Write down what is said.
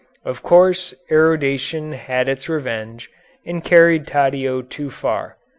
Of course, erudition had its revenge, and carried Taddeo too far.